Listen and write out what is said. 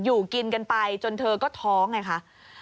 อยู่กินกันไปจนเธอก็ท้องไงคะ